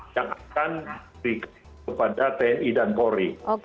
yang akan dikirim kepada tni dan kori